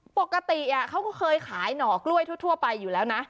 ปกติเขาก็เคยขายหน่อกล้วยทั่วไปอยู่แล้วนะ